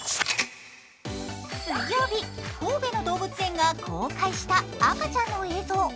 水曜日、神戸の動物園が公開した赤ちゃんの映像。